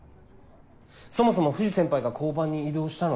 そもそも藤先輩が交番に異動したのって。